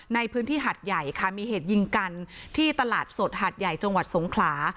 ในพื้นที่หัดใหญ่ค่ะมีเหตุยิงกันที่ตลาดสดหาดใหญ่จังหวัดสงขลา